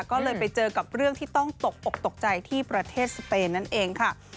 ก็เลยไปเจอกับเรื่องที่ต้องตกอกตกใจที่ประเทศสเปนนั่นเองค่ะ